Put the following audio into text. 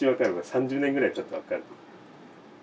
３０年ぐらいたったらわかる。